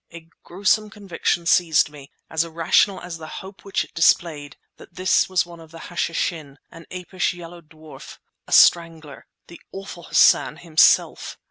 A gruesome conviction seized me, as irrational as the hope which it displayed, that this was one of the Hashishin—an apish yellow dwarf, a strangler, the awful Hassan himself!